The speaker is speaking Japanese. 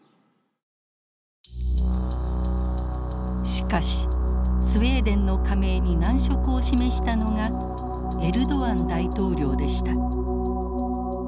しかしスウェーデンの加盟に難色を示したのがエルドアン大統領でした。